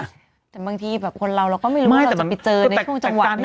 แต่บางทีแบบคนรัวเราก็ไม่รู้ว่าจะไปเจอในช่วงจังหวัดไหนก็ได้เนอะ